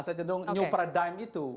saya cenderung new perdime itu